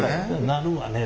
なるわね